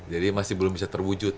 jadi masih belum bisa terwujud